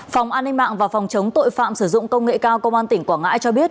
phòng an ninh mạng và phòng chống tội phạm sử dụng công nghệ cao công an tỉnh quảng ngãi cho biết